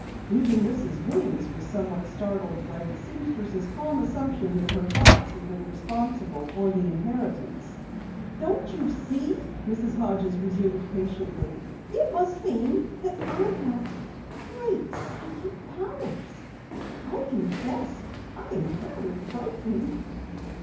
Even Mrs. Weems was somewhat startled by the seamstress' calm assumption that her thoughts had been responsible for the inheritance. "Don't you see," Mrs. Hodges resumed patiently. "It must mean that I have great psychic powers. I confess I am rather frightened."